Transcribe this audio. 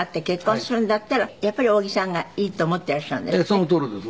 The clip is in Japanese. そのとおりです。